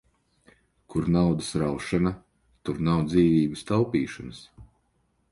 Kur naudas raušana, tur nav dzīvības taupīšanas.